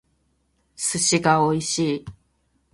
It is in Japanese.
寿司が美味しい